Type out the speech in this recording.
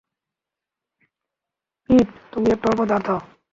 পিট, তুমি একটা অপদার্থ!